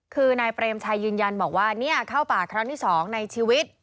คือนายเปรมชัยยืนยันบอกว่าเข้าป่าครั้งที่๒ในชีวิต